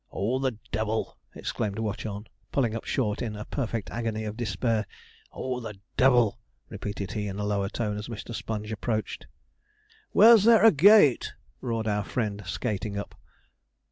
'Oh, the devil!' exclaimed Watchorn, pulling up short in a perfect agony of despair. 'Oh, the devil!' repeated he in a lower tone, as Mr. Sponge approached. 'Where's there a gate?' roared our friend, skating up.